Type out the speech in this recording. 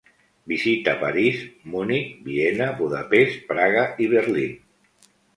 Visita París, Múnich, Viena, Budapest, Praga y Berlín.